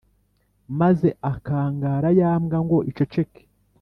maze akangara ya mbwa ngo iceceke,